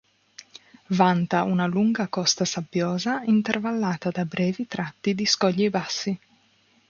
Vanta una lunga costa sabbiosa, intervallata da brevi tratti di scogli bassi.